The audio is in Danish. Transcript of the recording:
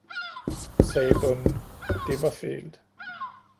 sagde bonden, det var fælt!